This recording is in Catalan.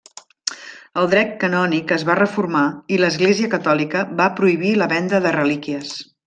El dret canònic es va reformar i l'Església catòlica va prohibir la venda de relíquies.